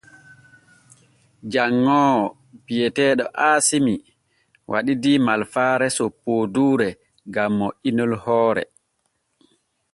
Janŋoowo bi’eteeɗo Aasimi waɗidii malfaare soppooduure gam moƴƴinol hoore.